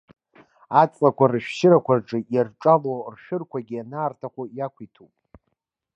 Аҵлақәа рышәшьырақәа рҿы, ирҿало ршәырқәагьы ианаарҭаху иақәиҭуп.